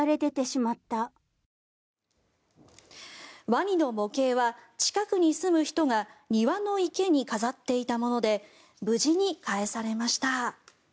ワニの模型は近くに住む人が庭の池に飾っていたもので無事に返されました。